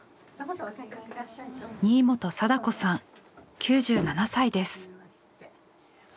新元貞子さん９７歳です。